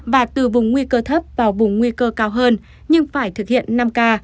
và từ vùng nguy cơ thấp vào vùng nguy cơ cao hơn nhưng phải thực hiện năm k